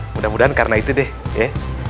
mudah mudahan karena itu deh ya